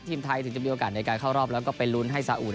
ทีมไทยถึงจะมีโอกาสในการเข้ารอบแล้วก็ไปลุ้นให้สาอุ